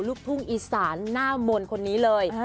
ลูกทุ่งอีสานหน้ามนต์คนนี้เลย